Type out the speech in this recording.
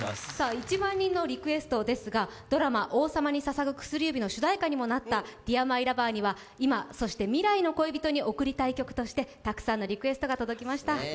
１万人のリクエストですが、ドラマ「王様に捧ぐ薬指」の主題歌にもなった「ＤＥＡＲＭＹＬＯＶＥＲ」には今、そして未来の恋人に贈りたい曲としてタクサンノりエクストが届きました。